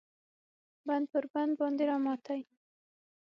بند پر بند باندې راماتی